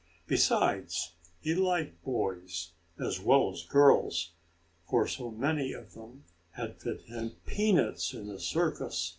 Besides, he liked boys, as well as girls, for so many of them had fed him peanuts in the circus.